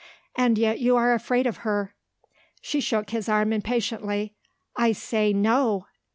"And yet, you are afraid of her." She shook his arm impatiently. "I say, No!"